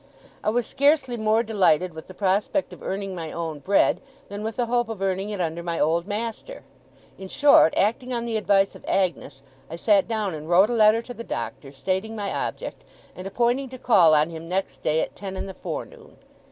I was scarcely more delighted with the prospect of earning my own bread, than with the hope of earning it under my old master; in short, acting on the advice of Agnes, I sat down and wrote a letter to the Doctor, stating my object, and appointing to call on him next day at ten in the forenoon.